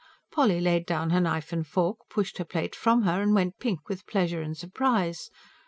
Polly laid down her knife and fork, pushed her plate from her, and went pink with pleasure and surprise.